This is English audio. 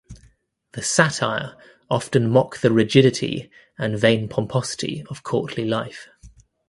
The "Satire" often mock the rigidity and vain pomposity of courtly life.